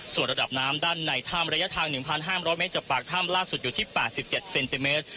ส่วนระดับน้ำด้านในถ้ำระยะทาง๑๕๐๐เมตรจากปากถ้ำล่าสุดอยู่ที่๘๗เซนติเมตร